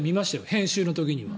編集の時には。